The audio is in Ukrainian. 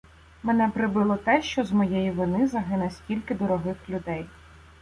Мене прибило те, що з моєї вини загине стільки дорогих людей.